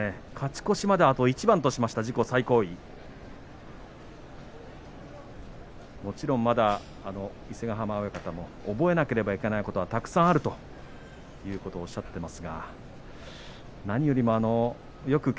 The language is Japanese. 勝ち越しまであと一番としました自己最高位６枚目の熱海富士また伊勢ヶ濱親方覚えなければいけないことがたくさんあるということをおっしゃっています。